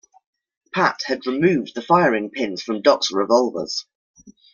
Pat had removed the firing pins from Doc's revolvers.